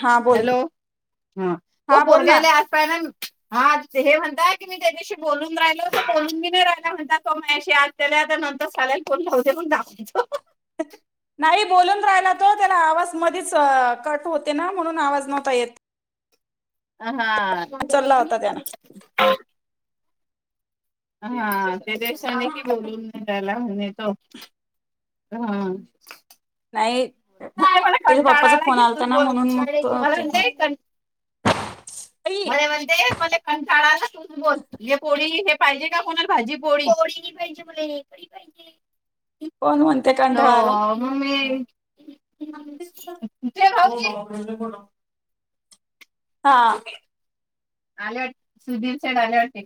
हा बोल हॅलो हा तो हा बोल ना पोरग्याला आज पाना हा हे म्हणताय क मी त्याच्याशी बोलून राहिलो बोलूनी नाही राहिल म्हणतात त म अशी आज त्याला नंतर चालायला फोन घावते पण दाख नाही बोलून राहिला तो त्याला आवाज मध्येच कट होते ना म्हणून आवाज नव्हता येत अ हा उचलला होता त्यानं हा ते दिवसाने की बोलून त्यायला म्ह तो हा नाही मग ते मला त्याच्या पप्पाचा कंटाळायला फोन घ तू आलता ना बोल म्हणून मग तो म्हर आई म्हणते म्हज कंठाळाला ब पोळी हे पाहिजे का कोणाला भाजी पोळी पोळी पाहिजे हेक पाहिजे कोण म्हणते कंठळाला मग मी ते भाऊजी हो कोणा हा आले वाट सुधीर सैन आले वाटते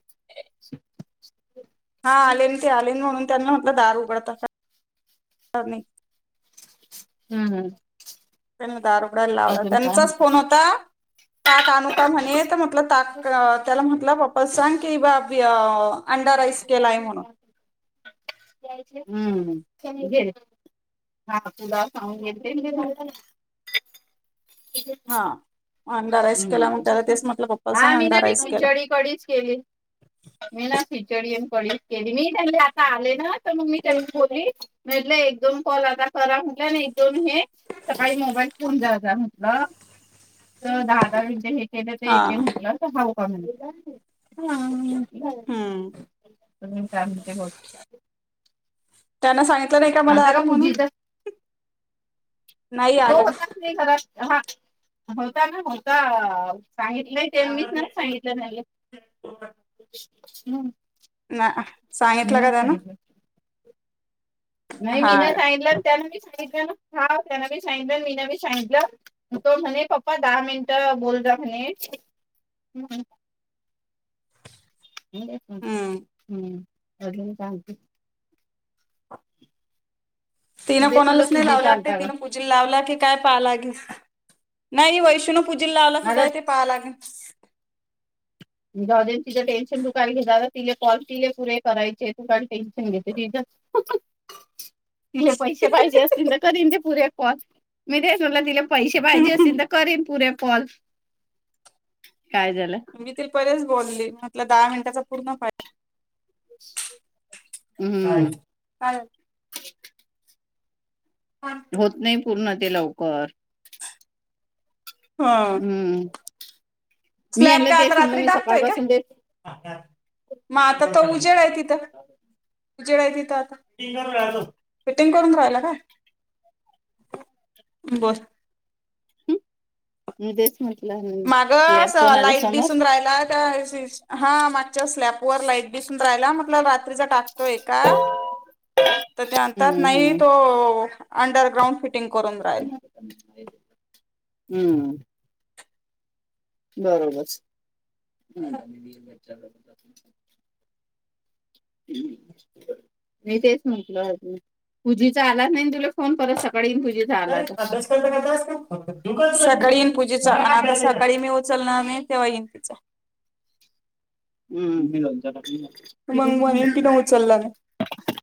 हा आलेन ते आलेन म्हणून त्यांना म्हटलं दार उघडत का हम् हम् त्यांनी दार उघडाला लावला त्यांचाच फोन होता ताक आणू का म्हणे तर म्हटलं ताक त्याला म्हटलं बाप्पा सांग की बाब अंडाराईस केलाय म्हणून घे हा तुला सगून घे ठीक हा आहेस ् अंडा राईस केला मग त्याला तेच म्हटलं पप्पा हा सांग मी ना अंडा बी राईस केला खिचडी कडीच केली मी ना सी चडी म आ आ मी बली म्ह क म्हट एक दोन हे सकाळी मोबाईल फोन जा म्हटलं तर दहा दहाणच्या हे ते हा एके म्हटलं तर हऊ का म्हणज ह हम्म तुम्ही का होत त्यांना सांगितलं नाही का मला आले म्हणून पूजीचा नाही तो आलं होताच नाही खर हा होता ना हो [unintelligible] का सांगितलंय, ते मीच ना सांगितलं नाहीले. ना सांगितलं का त्यांना? - नाही मी ना सांगलं त्यान मी [unintelligible] हा त्यांसांगितलं मी बी सांगितलं तो म्हणे पप्पा दहा मिनट बोल [unintelligible] हम् [unintelligible] हम्म शांत [inaudible] तिनं म्हणजे समजा कोणालाच नाही तुझी लावलं वाटते, चालता का तिनं पूजीला लावला की काय पाहालागे. नाही वैशीन पूजेला लावला माझा तय ते पहा लागेल. जाउदेल तीज टेनशन तु काय घे तिले कॉल ति पुरे करायचे. त का काही चंंग ते ज [unintelligible] तिले पैसे पाहिजे असतील तर करीन, ते पुरे फोन मी दच म्हटला तिला- पैसे पाहिजे असल तर करेन पुरे कॉल, काय झालं? परेच बोलली म्हटला दहा मिनिटाचा पूर्ण पा- ह हम्म का [unintelligible] होत नाही पूर्ण ते लवकर. - हां. हम्म मी स्लॅब यांना का आता तेच म्हणलं रात्री मी टाकतोय का? सकाळपासून तेच म आता त- [inaudible] तड तथ आता फिटंगून राो फिटिंग करून राहिला काय [unintelligible] बस [unintelligible] म तेच म्ह [unintelligible] माग अस लाईट दिसून राहिला हा- स्ॅप वर लाईट बी राला [unintelligible] रात्री टाकतोय का? तर ते म्हणतात नाही हम्म तो- अंडरग्राऊंड फि- हम्म. बरोबर. मी तेच म्हटलं, - पुजीचा आला नाही तुला फोन करत सक- अरे अभ्यास सळीन पूजेचा [unintelligible] आ सकाळी मी उचलणार नाही, मी तेव्हा येईन तिच- हम् ब म्हणेन तिनं उचलला नाही. [unintelligible] [inaudible]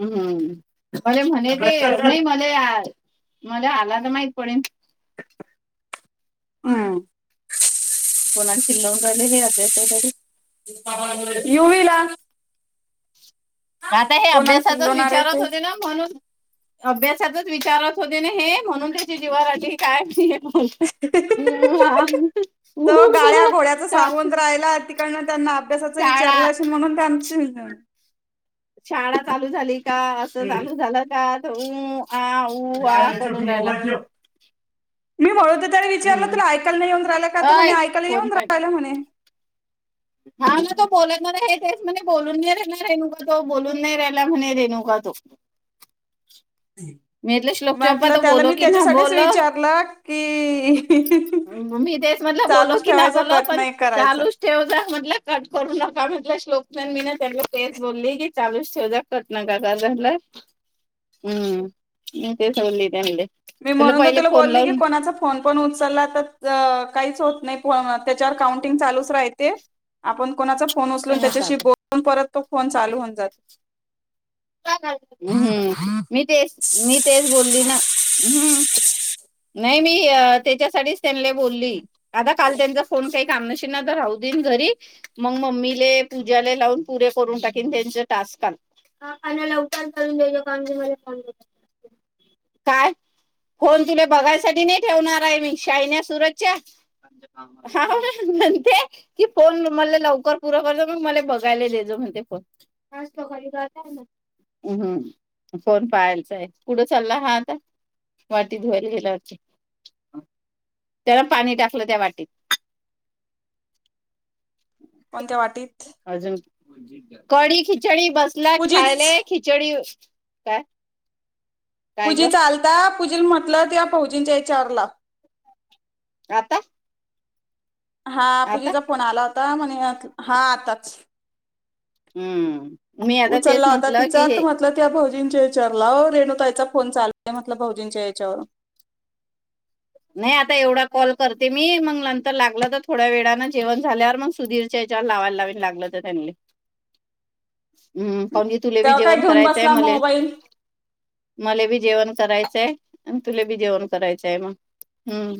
हम्म अरे म्हणे ते नाही मला- मला आला तर माहित पडेन. हम्म. कोणा चिलवून राहिले हे अभ्यासासाठी. युवीला आता हे कोणाला अभ्यासातच चिल्लवणार आहे विचारत ते. होते ना, म्हणून अभ्यास- सतत विचारत होते ना हे म्हणून त्याची जीवावर आली काय- तर गाड्या घोड्याचं सांगून राहिला [inaudible] त्यांना अभ्यासाच शाळा विचारलं म्हणून त्यां- शाळा चालू झाली का? असं चालू झालं का? तर- हा ऊ आ करून राहीला. मोबाईल ठेव. मी म्हणूते तरी विचारलं तुला ऐकायला नाही येऊन राहिलं का? म्हणे अय ऐकायला फोन येऊन पाहिजे राहिला म्हणे. हा ना तो बोलणार हे तेस म्हणे बोलून नाही राहिणार रेनुका तो बोलून नाही राहिला म्हणे रेणुका- तो. ह. मीले श्लोक चोप्पा त बोल की ना बोलो विचारलं की मम्मी तेच- [unintelligible] मध बोलल चालूच की नाही ठेवायचा बोल कट पण नाही करायचा. चालूच ठेव जा- म्हट कट करू नका म्हट श्लकन मी ना त्यां फेस बोलली की चावीूस ठेवजाकत नका का झाला हम्म म ते सडली त्यांले मी तुला म्हणून तर पहिले तुला फोन बोलली की लावून कोणाचा फोन पण उचलला तर काहीच होत नाही त्याच्यावर काउंटिंग चालूच राहते आपण कोणाचा फोन उचलून त्याच्याशी बोलून परत तो फोन चालू होऊन जाते ् हम्म मी तेच मी तेच बोलली ना हम् नाही मी त्याच्यासाठीच त्यां बोलली आता काल त्यांचा फोन काही काम नशीना तर राहत घरी मग मम्मी पूजाला लावून पुरे करून टाकन त्यांच टास्का हा आणि लवकर करून द्याचो का म्हज मला फोन काय फोन तुला बघायसाठी नाही ठेवणार आहे मी शाहिन्या सुरतच्या नण की फोन म लवकर पुर करज मग मला बघायला दजो म्हण आच लोकांली गत हम्म फोन पाहाचाय कुढं चालला हा आता वाटी धुवाारी गेलाते त्याला पाणी टाकलं त्या वाटीत कोणत्या वाटीत कडी खिचडी बसला पूजीच खायले खिचडी काय काय पूजी ग चालता पूजी म्हटलं त्या या पौजींच्या वि चारला आता हा आता पूजेचा फोन आला होता म्हणे हा आताच हम्म मी आता तेच उचला होता म्हटलं तिच की आ तर हे म्हटलं त्या बो च्या [unintelligible] याच्यावरला [unintelligible] रेणुताईचा फोन चालय म्हटलं भाजींच्या [unintelligible] याच्यावर नाही आता एवढा कॉल करते मी मग नंतर लागलं तर थोड्या वेळाानं जेवण झाल्यावर मग सुधीरच्या लावायला लावीला लागल तर त्यां [unintelligible] हम्म पणणी [unintelligible] तुले बी तेव्हा काय जेवण घेऊन करायचंय बसला मले मोबाईल मले बी जेवण करायचं [unintelligible] आणि तुले बी जेवण करायच आहेमा [unintelligible] हम्म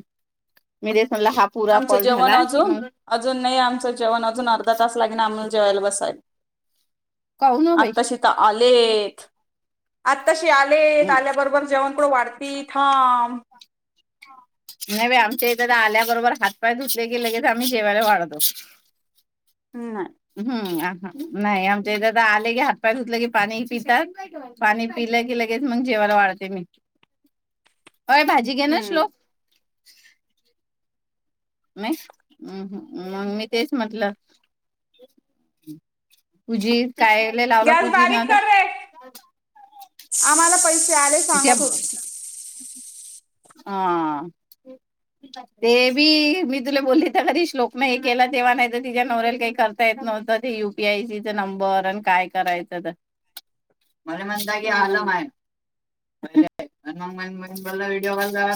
मी तेच म्हणलं हा पुरा आमचं कॉल जेवण झाला की अजून मग अजून नाही आमचं जेवण अजून अर्धा तास लागे ना आमला जेवायला बस काऊ न बाई आत्ताशी तर [unintelligible] आलेत आता तशी आले हम्म. आल्याबरोबर जेवण कुढं वाढती थांब नाही बा आमच्या इथ तर आल्याबरोबर हात पाय धुतले गे लगेच आम्ही जेवायला वाढतो नाही हम्म नाही आमच्या इथ आले की हात पाय धुतले की पाणी पितात पाणी पी लगे लगे लगेच मग जेवाला वाढते मी अय भाजी घेना शोल्ख नाहीम् [unintelligible] मग मी तेच म्हटलं कजर [unintelligible] कायले लावला गॅस पूजी न बारीक आता कर रे आम्हाला पैसे आले त्या सांगत ब होती ती. आ ते बी मी तुला बोलली तर कधी श्लोक नाही हे केला तेव्हा नाही तर तिच्या्या नवऱ्याला काही करता येत त [unintelligible] युपीआयसी नंबर आणि काय करायचं मला म्हणता की आलंम हम्म. आहेनुला [unintelligible] ग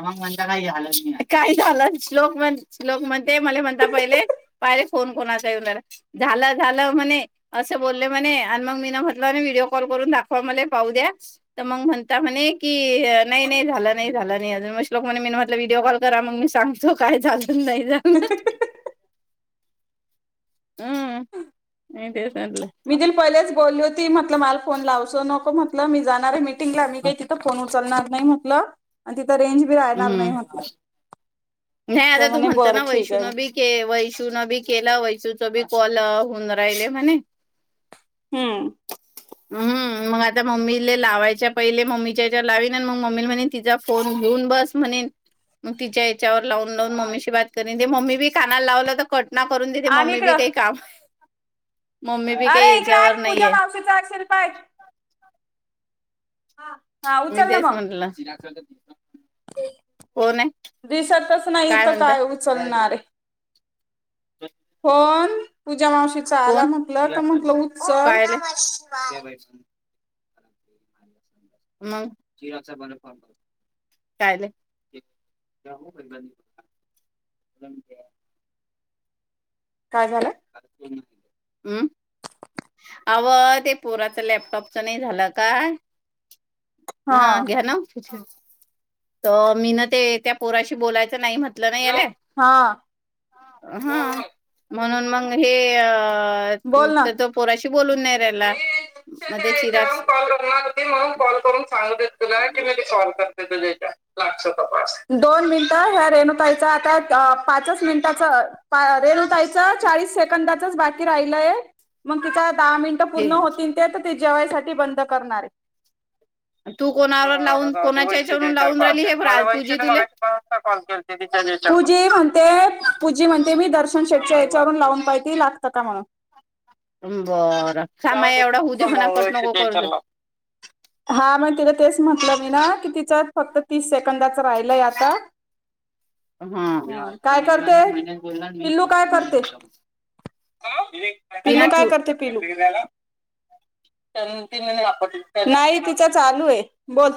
म्हण [unintelligible] का झालं काय झालं श्लोक म्हण्लोक म्हणते म्हण हि [unintelligible] फोन कोणा [unintelligible] झाल झाल म्हणे अस बोले म्हणे आणि मग म्हट [unintelligible] व्हिडिओ कॉल करून दाखवा मले पाऊदया तर मग म्हणत्या म्हणे की नाय नाही झालं नाही झालं नाही अजून म लोकांनी [unintelligible] मी म्हटलं व्हिडिओ कॉल करा मी सांगतो काय झालं नाही जा हम् हे ते मी त [unintelligible] पहिलेच बोलली होती म्हटलं मला फोन लावसो नको म्हटलं मी जाणार हाय मी का त [unintelligible] उचलणार नाही मम्हटलं राहणार नाही हम्म म्हटलं नाही तर आता तू म्हणे म्हणत बरं ना ठीक आहे वैषून बी के वैषून बी केला वैषूच बी कॉल- हून राहिले म्हणे- हम्म. हम्म मग आता मम्मी लावायच्या पहिले मम्मीच्या याच्यावर लावीन मग मम्मी म्हणे तिचा फोन घेऊन- बस म्हणेन तिच्या याच्यावर लावून लावून मम्मीशी बात करेन ते मम्मी बी कानाल लावलं तर कट- ना करून देते आणि मम्मी बी इकडं काही काम- मम्मी बी अरे काही इकडे याच्यावर आण पूजा नाहीये मावशीच असेल पाय. [unintelligible] हा मी उचल ना तेच मग म्हणल. दिसतच नाही इथं काय उचलणारे? फोन पूजा मावशीचा आला कोण म्हटल तर म्हटलं उचल. कायले मग [unintelligible] कायले. काय झालं? [unintelligible] अम. अवं ते पोराच लॅपटॉपच नाही झालं का? हा घ्या ना. तर मी ना ते त्या पोराशी बोलायचं नाही म्ह- नाही हा [unintelligible] म्हणून मग हे अ बोल ना तर तो पोराशी बोलून नाही राहिला- मी मग ते याच्यावरून चिराग कॉल करणार होती म्हणून कॉल करून सांगत- तुॉ करते त त दोन मिनट [inaudible] ताई च आता पाचच मिनिटांचे. रेणूताईच चाळीस सेकंदाच - राहिलय मग तिचं दहा मिनट हे पूर्ण होतीन - जेवायसाठी बंद करणारे. तू कोणावर लावून- कोणाच्या वैश याच्यावरून जशवर लावून पा राहिली हे प्रा मला वैश पूजी तुले मगाता कॉल केते तूजी म्हणते. पूजी म्हणते मी दर्शन शेटच्या याच्यावरून लावून पाहिती लागत का म्हणून. बरं सामा एवढा होऊ दे म्हणा मग कट नको वैशूच्या याच्यावर करत- लाव. हा मग तिला तेच म्हटलं मी ना की तिचा फक्त तीस सेक- कंदाच राहिलंय आता. हा ह आता काय म्हणजे करते म्ह मने बोलला मीच बसली मच्या- पिलू काय करते पिलू तपड- नाही तिच्या चालू आहे बोल.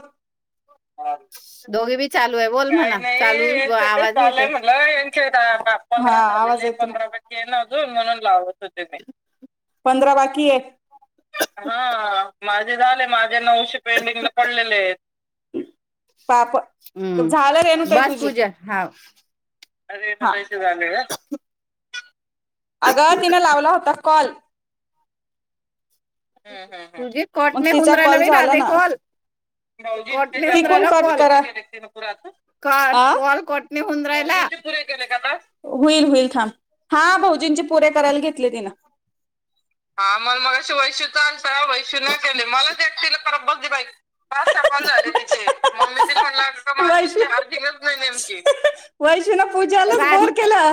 दोघे बी चालू आहे बोल काही म्हणा नाही चालू यांच ते आवाज येत चालय मला यांच्या- बा पंधरापैकी नून म्हणून लावत होते मी. पंधरा बाकी आहेत. हा माझे झाले माझ- मा नऊशे पेंडिंग ला पडलेले आहेत. पाप हम्म झालं रेणू ताई बस तुझे. पूजा हा अरयच झाले. अगं तिनें लावला होता कॉल. पूजे कट मग नाही होऊन तिचा राहिला कॉल बाई झाला राधे ना. कॉल कट नाही होऊन तिकण राहिला कट कॉल करा. [inaudible] कॉट कॉल कॉटने होऊन राहिला होईल होईल थांब. हा भाउजींचे पुरे करायला घेतले तिन. हा मग मग अ वैशूचा आणता वैश न केले मला- बघ बाई. पाच सहा कॉल झाले तिचे. मम्मी श म्हणला- वैष् नाही नेमकी वैष् न पूजालाच राज बोर केला.